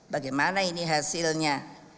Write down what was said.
bagaimana ini hasilnya